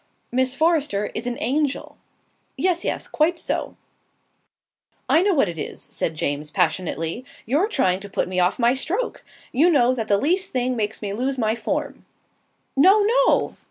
"Miss Forrester is an angel." "Yes, yes. Quite so." "I know what it is," said James, passionately. "You're trying to put me off my stroke. You know that the least thing makes me lose my form." "No, no!"